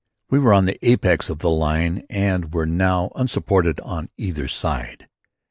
We were on the apex of the line and were now unsupported on either side.